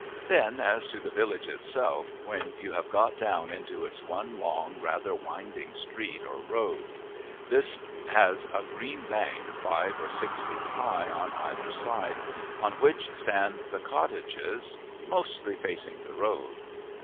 Then, as to the village itself, when you have got down into its one long, rather winding street, or road. This has a green bank, five or six feet high, on either side, on which stand the cottages, mostly facing the road.